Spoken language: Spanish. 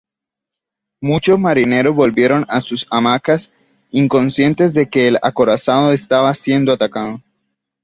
Muchos marineros volvieron a sus hamacas, inconscientes de que el acorazado estaba siendo atacado.